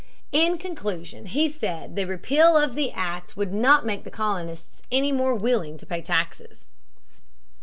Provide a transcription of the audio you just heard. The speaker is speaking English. In conclusion, he said the repeal of the act would not make the colonists any more willing to pay taxes.